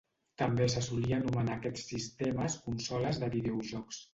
També se solia anomenar aquests sistemes consoles de videojocs.